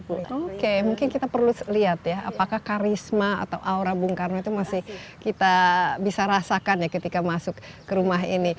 oke mungkin kita perlu lihat ya apakah karisma atau aura bung karno itu masih kita bisa rasakan ya ketika masuk ke rumah ini